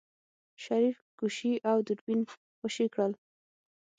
شريف ګوشي او دوربين خوشې کړل.